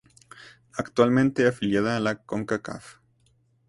Actualmente afiliada a la Concacaf.